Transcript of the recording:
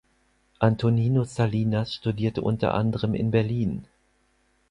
Antonino Salinas studierte unter anderem in Berlin.